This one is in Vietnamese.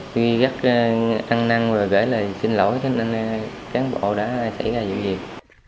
tôi gắt ăn năng và gửi lời xin lỗi cho nên cán bộ đã xảy ra sự việc